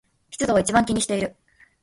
湿度を一番気にしている